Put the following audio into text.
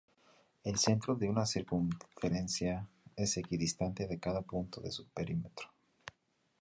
El centro de una circunferencia es equidistante de cada punto de su perímetro.